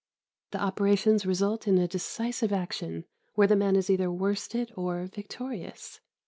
The operations result in a decisive action, where the man is either worsted or victorious.